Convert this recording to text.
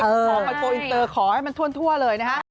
ขอมาโปรอินเตอร์ขอให้มันถ้วนถั่วเลยนะครับ